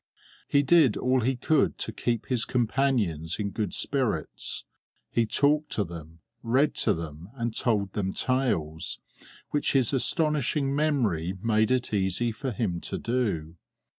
He did all he could to keep his companions in good spirits; he talked to them, read to them, and told them tales, which his astonishing memory made it easy for him to do.